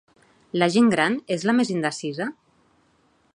La gent gran és la més indecisa?